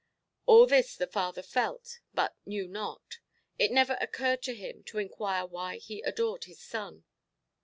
All this the father felt, but knew not: it never occurred to him to inquire why he adored his son.